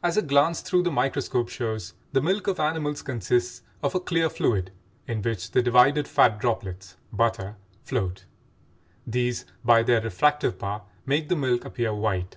As a glance through the microscope shows, the milk of animals consists of a clear fluid in which the divided fat droplets (butter) float; these by their refractive power make the milk appear white.